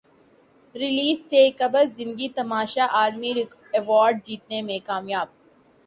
release سے قبل زندگی تماشا عالمی ایوارڈ جیتنے میں کامیاب